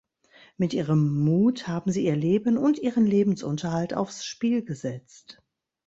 Mit ihrem Mut haben sie ihr Leben und ihren Lebensunterhalt aufs Spiel gesetzt.